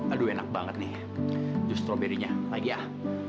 aduh enak banget nih stroberinya lagi ah